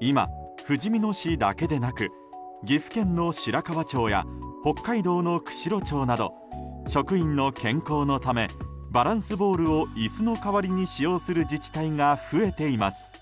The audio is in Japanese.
今、ふじみ野市だけでなく岐阜県の白川町や北海道の釧路町など職員の健康のためバランスボールを椅子の代わりに使用する自治体が増えています。